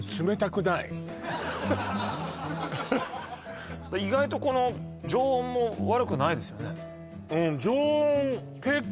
あと意外とこの常温も悪くないですよね